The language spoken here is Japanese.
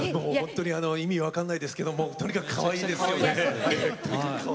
意味分からないですけれどもとにかくかわいらしいんですよ。